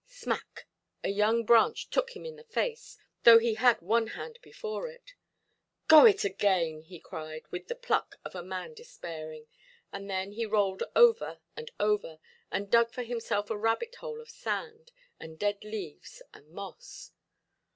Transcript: Smack, a young branch took him in the face, though he had one hand before it. "Go it again"! he cried, with the pluck of a man despairing, and then he rolled over and over, and dug for himself a rabbit–hole of sand, and dead leaves, and moss.